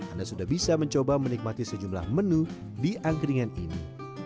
anda sudah bisa mencoba menikmati sejumlah menu di angkringan ini